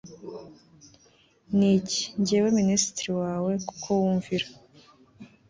Niki njyewe minisitiri wawe kuko wumvira